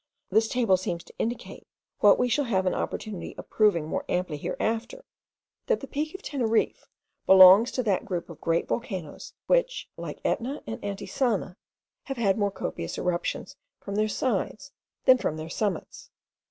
This table seems to indicate, what we shall have an opportunity of proving more amply hereafter, that the peak of Teneriffe belongs to that group of great volcanoes, which, like Etna and Antisana, have had more copious eruptions from their sides than from their summits.